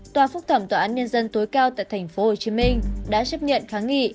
tòa phúc thẩm tòa án nhân dân tối cao tại tp hcm đã chấp nhận kháng nghị